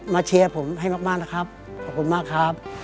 เชียร์ผมให้มากนะครับขอบคุณมากครับ